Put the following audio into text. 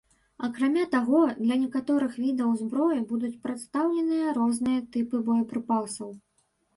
Акрамя таго, для некаторых відаў зброі будуць прадстаўлены розныя тыпы боепрыпасаў.